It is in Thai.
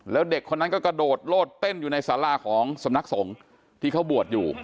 แล้วเด็กคนนั้นก็กระโดดโลดเต้นอยู่ในสาราของสำนักสงฆ์ที่เขาบวชอยู่